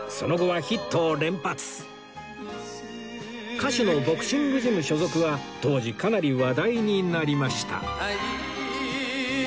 歌手のボクシングジム所属は当時かなり話題になりました